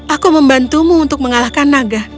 aku membantumu untuk mengalahkan naga